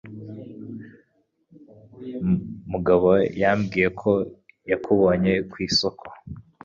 Mugabo yambwiye ko yakubonye ku isoko.